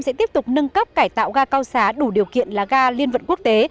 sẽ tiếp tục nâng cấp cải tạo ga cao xá đủ điều kiện là ga liên vận quốc tế